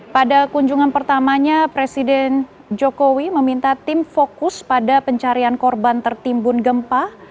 pada kunjungan pertamanya presiden jokowi meminta tim fokus pada pencarian korban tertimbun gempa